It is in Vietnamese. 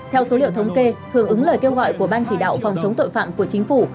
theo số liệu thống kê hưởng ứng lời kêu gọi của ban chỉ đạo phòng chống tội phạm của chính phủ